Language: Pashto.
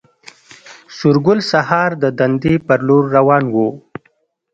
سورګل سهار د دندې پر لور روان و